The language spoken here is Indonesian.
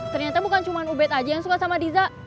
ternyata bukan cuma ubed aja yang suka sama diza